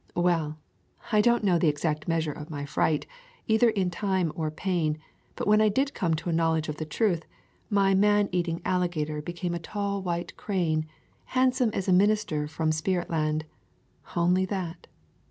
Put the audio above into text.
Well, I don't know the exact measure of my fright either in time or pain, but when I did come to a knowledge of the truth, my man eating alligator became a tall white crane, hand some as a minister from spirit land — "only that."